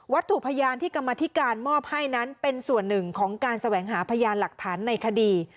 ถูกพยานที่กรรมธิการมอบให้นั้นเป็นส่วนหนึ่งของการแสวงหาพยานหลักฐานในคดี